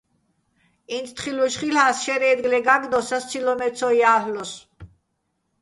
ინც თხილუშ ხილ'ას, შაჲრი̆ აჲდგლე გა́გდოს, სასცილო́ მე ცო ჲა́ლ'ლოსო̆.